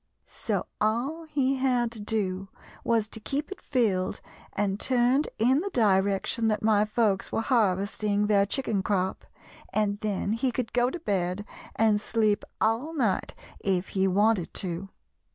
So all he had to do was to keep it filled and turned in the direction that my folks were harvesting their chicken crop, and then he could go to bed and sleep all night if he wanted to.